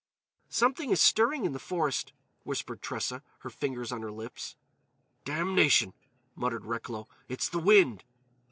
"Something is stirring in the forest," whispered Tressa, her fingers on her lips. "Damnation," muttered Recklow, "it's the wind!"